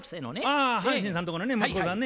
あ阪神さんとこのね息子さんね。